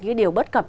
những điều bất cập